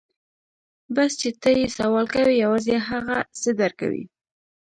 بس چې ته يې سوال کوې يوازې هغه څه در کوي.